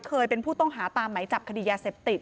เคยเป็นผู้ต้องหาตามไหมจับคดียาเสพติด